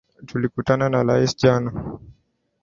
Tulikutana na rais jana